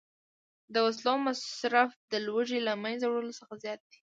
د وسلو مصرف د لوږې له منځه وړلو څخه زیات دی